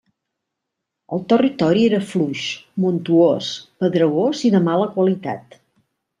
El territori era fluix, montuós, pedregós i de mala qualitat.